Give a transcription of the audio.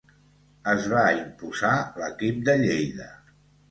Es va imposar l'equip de Lleida.